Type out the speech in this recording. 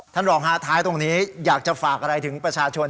ท่านรองฮะท้ายตรงนี้อยากจะฝากอะไรถึงประชาชน